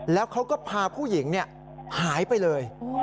แล้วเขาก็พาผู้หญิงหายไปเลย